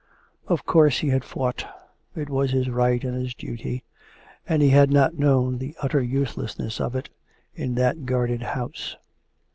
Of course, he had fought; it was his right and his duty; and he had not known the utter use lessness of it, in that guarded house.